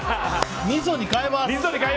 みそに変えます！